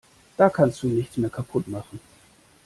Da kannst du nichts mehr kaputt machen.